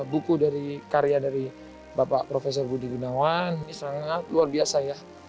buku dari karya dari bapak profesor budi gunawan ini sangat luar biasa ya